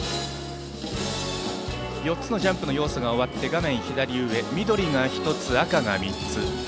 ４つのジャンプの要素が終わって画面左上、緑が１つ、赤が３つ。